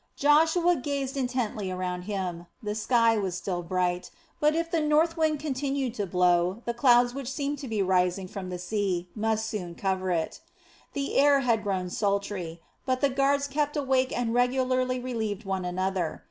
Joshua gazed intently around him. The sky was still bright, but if the north wind continued to blow, the clouds which seemed to be rising from the sea must soon cover it. The air had grown sultry, but the guards kept awake and regularly relieved one another.